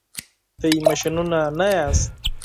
تاسي ماشینونه نه یاست.